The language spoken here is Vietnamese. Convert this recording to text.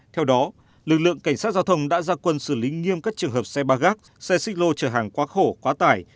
theo đó lực lượng cảnh sát giao thông đã ra quân xử lý nghiêm các trường hợp xe ba gác xe xích lô chở hàng quá khổ quá tải